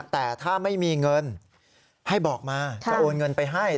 แต่ถ้าไม่มีเงินให้บอกมาจะโอนเงินไปให้